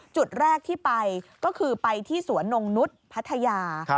จุดแรกที่ไปก็คือไปที่สวนนงนุษย์พัทยา